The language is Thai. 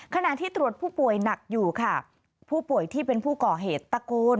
ขณะที่ตรวจผู้ป่วยหนักอยู่ค่ะผู้ป่วยที่เป็นผู้ก่อเหตุตะโกน